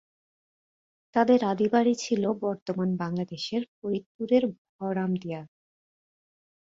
তাদের আদি বাড়ি ছিল বর্তমান বাংলাদেশের ফরিদপুরের ভড়রামদিয়া।